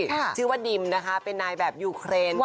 ชื่อว่าดิมนะคะเป็นนายแบบยูเครน